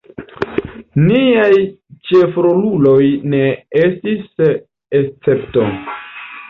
Niaj ĉefroluloj ne estis escepto.